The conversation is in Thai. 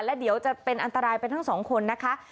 และเดี๋ยวจะเป็นอันตรายไปทั้งสองคนนะคะ